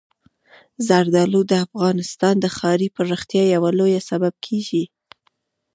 زردالو د افغانستان د ښاري پراختیا یو لوی سبب کېږي.